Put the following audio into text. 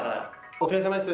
お疲れさまです。